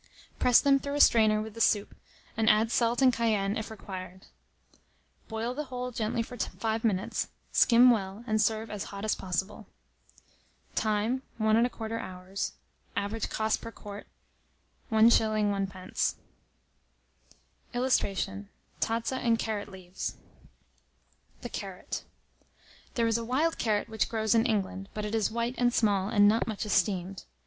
Press them through a strainer with the soup, and add salt and cayenne if required. Boil the whole gently for 5 minutes, skim well, and serve as hot as possible. Time. 1 1/4 hour. Average cost per quart, 1s. 1d. [Illustration: TAZZA AND CARROT LEAVES.] THE CARROT. There is a wild carrot which grows in England; but it is white and small, and not much esteemed.